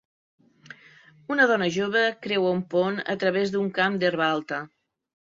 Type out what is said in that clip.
Una dona jove creua un pont a través d'un camp d'herba alta.